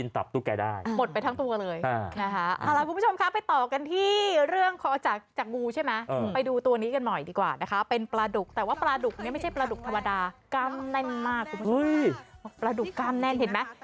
นี่ของจริงนะคะแต่ว่าไม่มีตัวไหนขยับได้อ่ะเหมือนของฟอร์มเลย